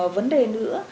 vấn đề nữa